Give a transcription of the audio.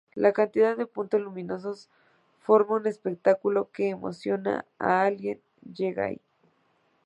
La cantidad de puntos luminosos forma un espectáculo, que emociona a quien llega allí.